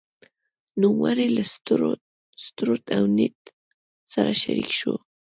نوموړی له ستروټ او نیډ سره شریک شو.